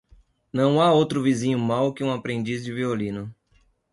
Não há outro vizinho mau que um aprendiz de violino.